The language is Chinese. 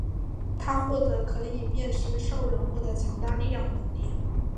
他获得可以变身兽人获得强大力量的能力。